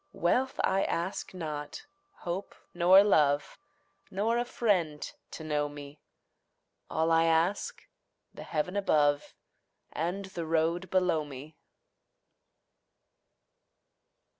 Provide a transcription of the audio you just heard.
Wealth I ask not, hope nor love, Nor a friend to know me; All I ask, the heaven above And the road below me.